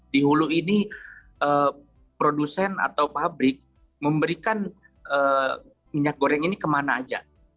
di hulu ini produsen atau pabrik memberikan minyak goreng ini kemana aja